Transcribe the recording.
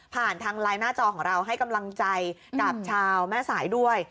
ทางไลน์หน้าจอของเราให้กำลังใจกับชาวแม่สายด้วย